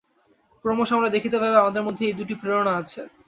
ক্রমশ আমরা দেখিতে পাইব, আমাদের মধ্যে এই দুইটি প্রেরণা আছে।